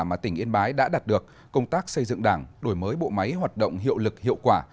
mà tỉnh yên bái đã đạt được công tác xây dựng đảng đổi mới bộ máy hoạt động hiệu lực hiệu quả